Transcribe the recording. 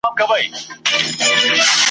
دغه ډنډ ته چا خطا کړم راته وایه مینتوبه